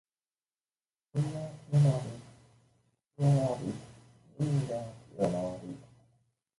Wendisch-Rambowban nőtt fel.